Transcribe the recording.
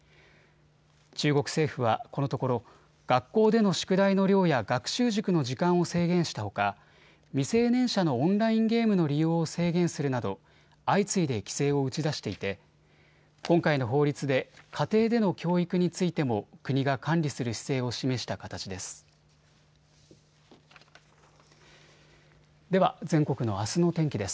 中国政府はこのところ学校での宿題の量や学習塾の時間を制限したほか未成年者のオンラインゲームの利用を制限するなど相次いで規制を打ち出していて今回の法律で家庭での教育についても国が管理する姿勢を示した形です。